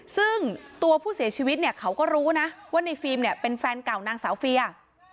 ซึ่งตัวผู้เสียชีวิตเนี่ยเขาก็รู้นะว่าในฟิล์มเนี่ยเป็นแฟนเก่านางสาวเฟีย